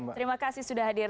terima kasih sudah hadir